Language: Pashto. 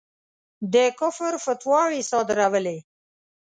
د کُفر فتواوې صادرولې.